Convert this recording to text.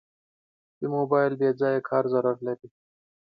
د موبایل بېځایه کار ضرر لري.